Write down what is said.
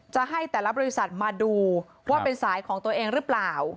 จะให้แต่ละบริษัทมาดูว่าเป็นสายของตัวเองหรือเปล่า